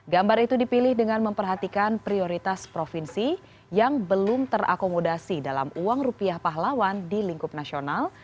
gambar itu dipilih dengan memperhatikan prioritas provinsi yang belum terakomodasi dalam uang rupiah pahlawan di lingkup nasional